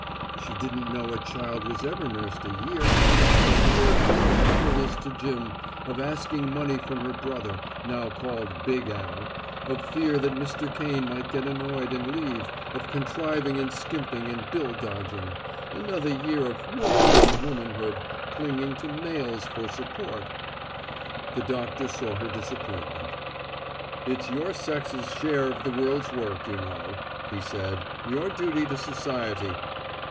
She didn't know a child was ever nursed a year. A year more of humbleness to Jim, of asking money from her brother, now called big Al, of fear that Mr. Kane might get annoyed and leave, of contriving and skimping and bill dodging. Another year of "womanly" womanhood, clinging to males for support. The doctor saw her disappointment. "It's your sex' share of the world's work, you know," he said, "your duty to society."